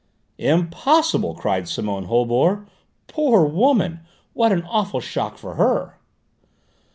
"Impossible!" cried Simone Holbord. "Poor woman! What an awful shock for her!"